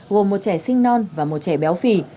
gồm một trẻ sinh non và một trẻ béo phì